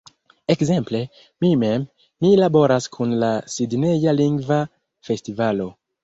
Ekzemple, mi mem, mi laboras kun la Sidneja Lingva Festivalo.